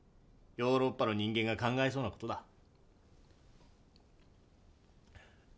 ヨーロッパの人間が考えそうな事だ。